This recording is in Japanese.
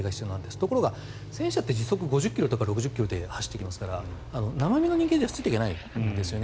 ところが戦車って時速５０ｋｍとか６０ｋｍで走っていきますから生身の人間じゃついていけないんですね。